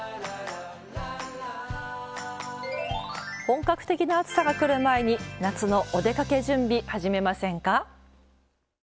本格的な暑さがくる前に夏のお出かけ準備始めませんか？